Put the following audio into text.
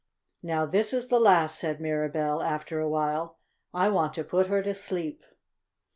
"Now this is the last," said Mirabell, after a while. "I want to put her to sleep."